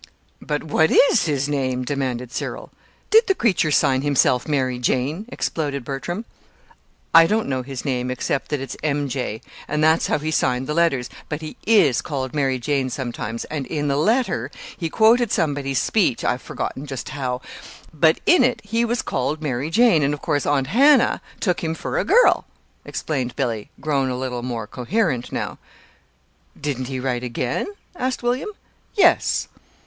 "But what is his name?" demanded Cyril. "Did the creature sign himself 'Mary Jane'?" exploded Bertram. "I don't know his name, except that it's 'M. J.' and that's how he signed the letters. But he is called 'Mary Jane' sometimes, and in the letter he quoted somebody's speech I've forgotten just how but in it he was called 'Mary Jane,' and, of course, Aunt Hannah took him for a girl," explained Billy, grown a little more coherent now. "Didn't he write again?" asked William. "Yes."